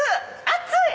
熱い！